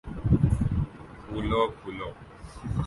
پھولو پھلو